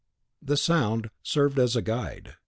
The sound served as a guide.